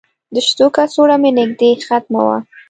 د شیدو کڅوړه مې نږدې ختمه وه.